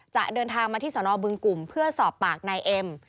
จะเดินทางมาที่สนบึงกลุ่มเพื่อสอบปากนายเอ็ม